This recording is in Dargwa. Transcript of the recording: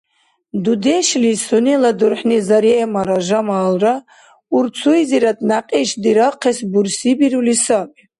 Дудешли сунела дурхӀни Заремара Жамалра урцуйзирад някьиш дирахъес бурсибирули сай.